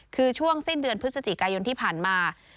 คือช่วงสิ้นเดือนพฤศจิกายนที่ผ่านมา